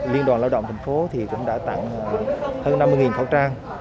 liên đoàn lao động thành phố cũng đã tặng hơn năm mươi khẩu trang